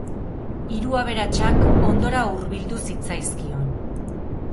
Hiru aberatsak ondora hurbildu zitzaizkion.